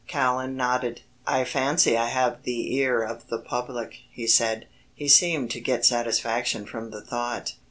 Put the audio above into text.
Callan nodded. "I fancy I have the ear of the public," he said. He seemed to get satisfaction from the thought.